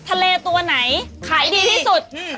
ทะเลตัวไหนขายดีที่สุด